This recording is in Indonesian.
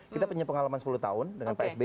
kita punya pengalaman sepuluh tahun dengan psb